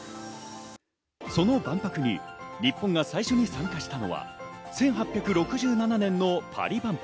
その万博に日本が最初に参加したのは１８６７年のパリ万博。